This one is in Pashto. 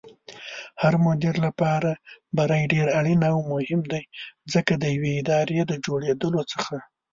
هرمدير لپاره بری ډېر اړين او مهم دی ځکه ديوې ادارې دجوړېدلو څخه